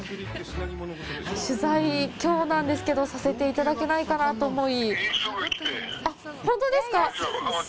取材、きょうなんですけどさせていただけないかなと思い。